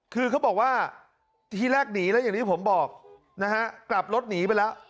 คือเขาบอกว่าทีแรกหนีแล้วอย่างที่ผมบอกนะฮะกลับรถหนีไปแล้ว